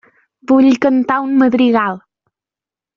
Vull cantar un madrigal.